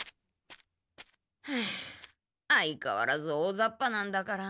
はあ相かわらずおおざっぱなんだから。